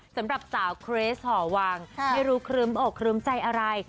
สำหรับสาวเครสห่อวังไม่รู้ครึ้มอกครึ้มใจอะไร